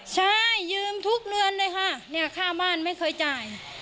ใช่ยืมทุกเรือนเลยค่ะเนี่ยค่าบ้านไม่เคยจ่าย